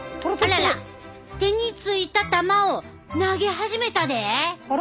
あらら手についた玉を投げ始めたで！